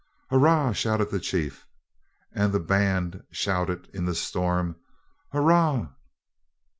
"Hurrah!" shouted the chief. And the band shouted in the storm, "Hurrah!"